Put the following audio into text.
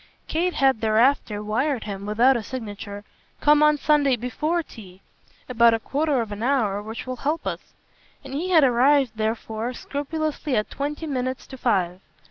Kate had thereafter wired him, without a signature, "Come on Sunday BEFORE tea about a quarter of an hour, which will help us"; and he had arrived therefore scrupulously at twenty minutes to five.